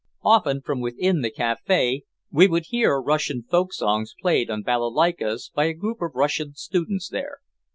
Often from within the café we would hear Russian folk songs played on balalaikas by a group of Russian students there.